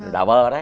đào bơ đấy